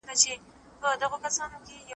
ملا بانګ د یوې پټې ډیوې د لمس کولو هڅه وکړه.